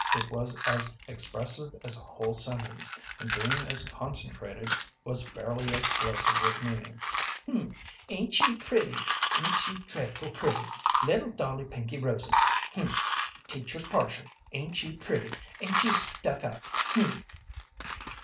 It was as expressive as a whole sentence, and, being as concentrated, was fairly explosive with meaning. "H'm, ain't you pretty? Ain't you dreadful pretty, little dolly pinky rosy. H'm, teacher's partial. Ain't you pretty? Ain't you stuck up? H'm."